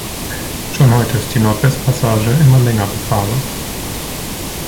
Schon heute ist die Nordwestpassage immer länger befahrbar.